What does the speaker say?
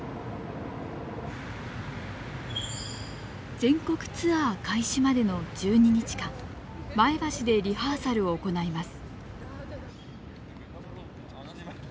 全国ツアー開始までの１２日間前橋でリハーサルを行います。